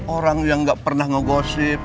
orang yang gak pernah ngegosip